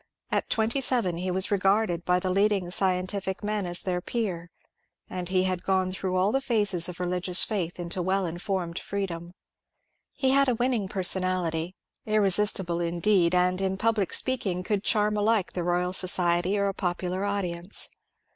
At twenty seven he was regarded by the leading scientific men as their peer, and he had gone through all the phases of religious faith into well informed freedom. He had a winning personality, irre sistible indeed, and in public speaking could charm alike the Royal Society or a popular audience.